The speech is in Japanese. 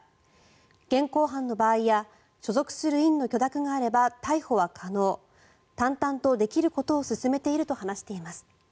現行犯の場合や、所属する院の許諾があれば逮捕は可能淡々とできることを進めていると話しています。